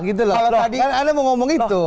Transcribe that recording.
kalau tadi anda mengomong itu